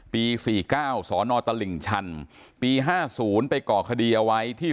ปีสี่เก้าสนตลิ่งชันปีห้าศูนย์ไปก่อคดีเอาไว้ที่